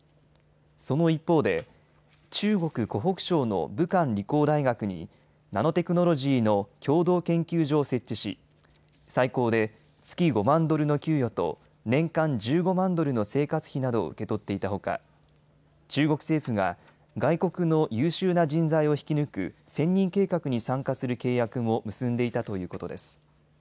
その一方で中国、湖北省の武漢理工大学にナノテクノロジーの共同研究所を設置し最高で月５万ドルの給与と年間１５万ドルの生活費などを受け取っていたほか中国政府が外国の優秀な人材を引き抜く千人計画に参加する契約も結んでいたということです。